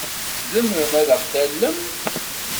Tzemrem ad aɣ-tallem?